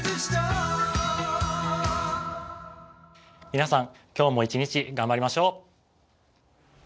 皆さん今日も一日頑張りましょう。